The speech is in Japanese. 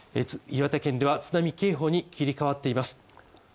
岩手県では津波警報に切り替わっています。